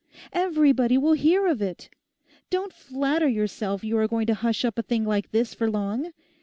Everybody will hear of it. Don't flatter yourself you are going to hush up a thing like this for long.